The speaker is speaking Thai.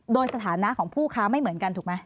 โดยสถานะของผู้ค้าไม่เหมือนกันถูกไหม